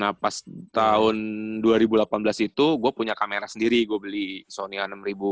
nah pas tahun dua ribu delapan belas itu gua punya kamera sendiri gua beli sony a enam ribu